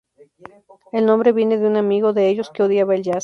El nombre viene de un amigo de ellos que odiaba el jazz.